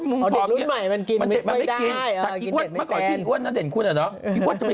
เมื่อก่อนที่อิงต้นนางเล่นคุ้นแหละเนอะ